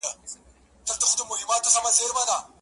فکر اوچت غواړمه قد خم راکه,